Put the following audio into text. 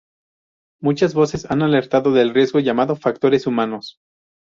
Muchas voces han alertado del riesgo llamado "factores humanos".